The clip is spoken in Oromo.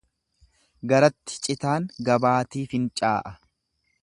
Garatti citaan gabaatii fincaa'a.